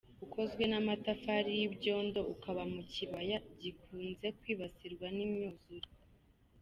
Ukozwe n’ amatafari y’ ibyombo, ukaba mu kibaya gikunze kwibasirwa n’ imyuzure.